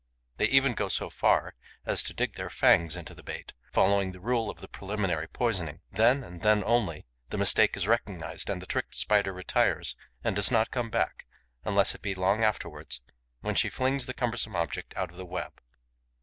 They even go so far as to dig their fangs into the bait, following the rule of the preliminary poisoning. Then and then only the mistake is recognized and the tricked Spider retires and does not come back, unless it be long afterwards, when she flings the cumbersome object out of the web.